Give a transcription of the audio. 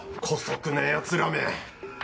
こそくなやつらめ。